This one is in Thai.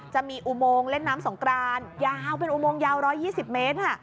จะมีอุโมงเล่นน้ำสงกรานยาวเป็นอุโมงยาว๑๒๐เมตร